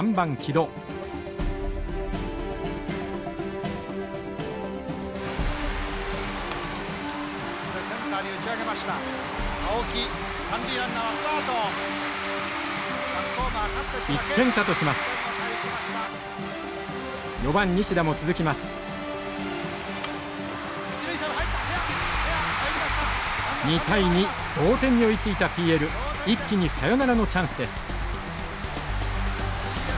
同点に追いついたＰＬ一気にサヨナラのチャンスです。